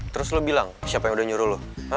terus lo bilang siapa yang udah nyuruh lo